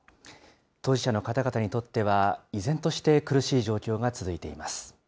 当事者の方々にとっては依然として苦しい状況が続いています。